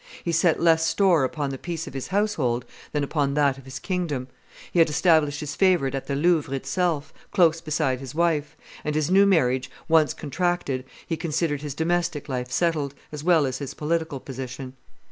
He set less store upon the peace of his household than upon that of his kingdom; he had established his favorite at the Louvre itself, close beside his wife; and, his new marriage once contracted, he considered his domestic life settled, as well as his political position.